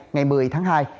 ngày một mươi tháng hai